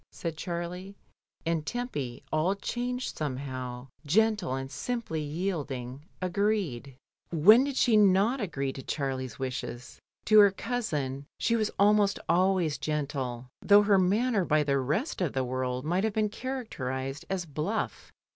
said Charlie, and Tempy,. all changed somehow, gentle and simply yielding, agreed. 1 68 MRS. DYMOND. When did she not agree to Charlie's wishes? To her cousin she was almost always gentle, though her manner by the rest of the world might have been characterised as bluff.